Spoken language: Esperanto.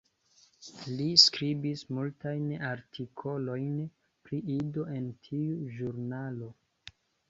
Li skribis multajn artikolojn pri Ido en tiu ĵurnalo.